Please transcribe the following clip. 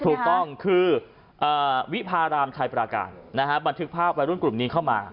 ถูกต้องคือวิพารามชายปราการนะฮะบันทึกภาพวัยรุ่นกลุ่มนี้เข้ามา